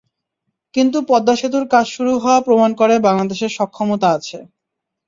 কিন্তু পদ্মা সেতুর কাজ শুরু হওয়া প্রমাণ করে বাংলাদেশের সক্ষমতা আছে।